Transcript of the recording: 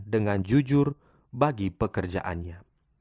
dengan jujur bagi pekerjaannya